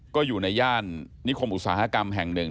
ก็อยู่ในย่านนิคมอุตสาหกรรมแห่งหนึ่ง